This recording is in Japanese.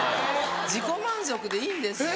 自己満足でいいんですよ。